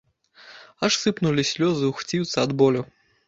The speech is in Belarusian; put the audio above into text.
Аж сыпнулі слёзы у хціўца ад болю.